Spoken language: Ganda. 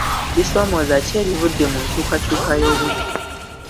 Bisoomooza ki ebivudde mu nkyukakyuka y'obudde?